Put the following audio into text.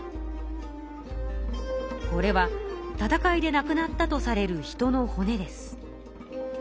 これは戦いでなくなったとされる人の骨です。